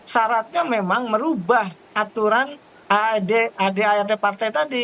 syaratnya memang merubah aturan adart partai tadi